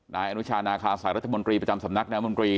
นายอนุชานาคาสายรัฐมนตรีประจำสำนักนามนตรี